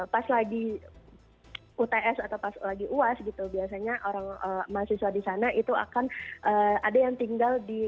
pas lagi uts atau pas lagi uas gitu biasanya orang mahasiswa di sana itu akan ada yang tinggal di